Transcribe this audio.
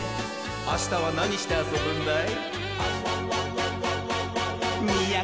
あしたはなにしてあそぶんだい？